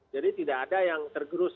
jadi tidak ada yang tergerus